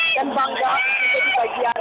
dan bangga untuk bagian dari